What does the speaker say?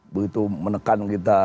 begitu menekan kita